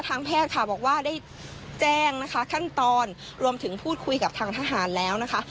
ทางแพทย์ค่ะบอกว่าได้แจ้งนะคะขั้นตอนรวมถึงพูดคุยกับทางทหารแล้วนะคะ